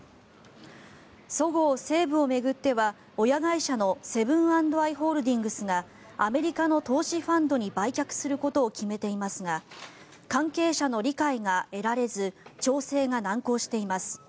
そごう・西武を巡っては親会社のセブン＆アイ・ホールディングスがアメリカの投資ファンドに売却することを決めていますが関係者の理解が得られず調整が難航しています。